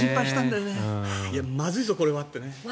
まずいぞ、これはってね。